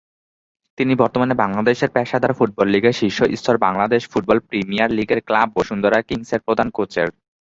তিনি বর্তমানে বাংলাদেশের পেশাদার ফুটবল লীগের শীর্ষ স্তর বাংলাদেশ ফুটবল প্রিমিয়ার লীগের ক্লাব বসুন্ধরা কিংসের প্রধান কোচের দায়িত্ব পালন করছেন।